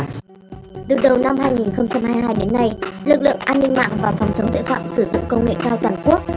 từ đầu năm hai nghìn hai mươi hai đến nay lực lượng an ninh mạng và phòng chống tội phạm sử dụng công nghệ cao toàn quốc